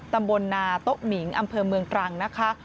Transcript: ตำบลนาโต๊ะหมิงอำเภอเมืองตรังนะคะ